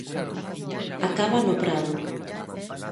Acaba no prado.